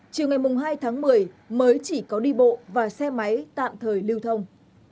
chiều ngày hai tháng một mươi mới chỉ có đi bộ và xe máy tạm thời lưu thông